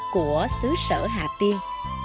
của sứ sở hà tiên